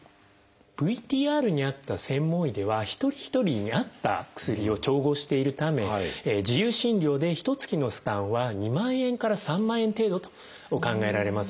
ＶＴＲにあった専門医では一人一人に合った薬を調合しているため自由診療でひとつきの負担は２万円から３万円程度と考えられます。